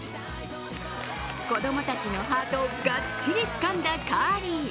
子供たちのハートをがっちりつかんだカーリー。